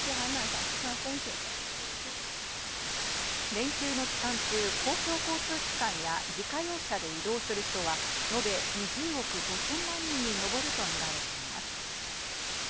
連休の期間中、公共交通機関や自家用車で移動する人はのべ２０億５０００万人に上るとみられています。